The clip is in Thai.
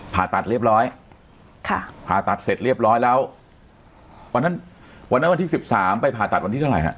ผ่าตัดเรียบร้อยค่ะผ่าตัดเสร็จเรียบร้อยแล้ววันนั้นวันนั้นวันที่๑๓ไปผ่าตัดวันที่เท่าไหร่ฮะ